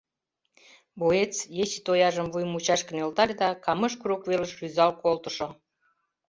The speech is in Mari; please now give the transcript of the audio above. Боец ече тояжым вуй мучашке нӧлтале да Камыш курык велыш рӱзал колтышо